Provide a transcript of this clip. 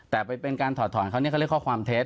แต่เป็นการถอดถอนเขาเนี่ยเขาเรียกข้อความเท็จ